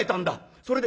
それで？」。